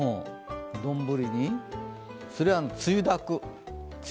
丼にそれはつゆだく。